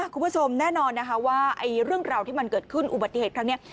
คุณผู้ชมแน่นอนนะคะว่าเรื่องราวที่มันเกิดขึ้นอุบัติเหตุครั้งนี้